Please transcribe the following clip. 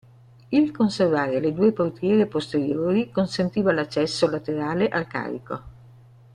Il conservare le due portiere posteriori consentiva l'accesso laterale al carico.